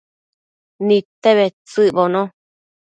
Nidte bedtsëcbono